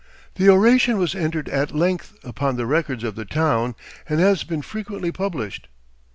The oration was entered at length upon the records of the town, and has been frequently published.